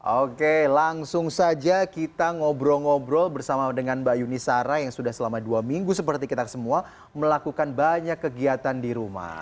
oke langsung saja kita ngobrol ngobrol bersama dengan mbak yuni sara yang sudah selama dua minggu seperti kita semua melakukan banyak kegiatan di rumah